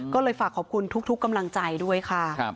ก็เลยฝากขอบคุณทุกกำลังใจด้วยค่ะ